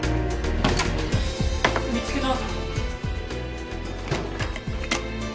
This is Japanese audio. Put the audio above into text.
見つけた。